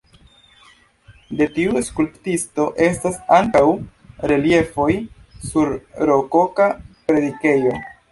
De tiu skulptisto estas ankaŭ reliefoj sur rokoka predikejo.